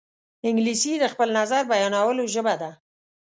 انګلیسي د خپل نظر بیانولو ژبه ده